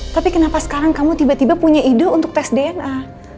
tapi kenapa sekarang kamu tiba tiba punya ide untuk tes dna